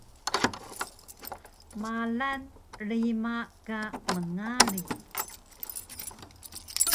Malan rima ka mngari